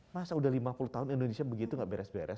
masa udah lima puluh tahun indonesia begitu gak beres beres